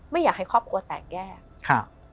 ไม่อยากให้ครอบครัวแตกแยกครับ